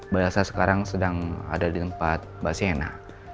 bagaimana sekarang sedang ada di tempat mbak sienna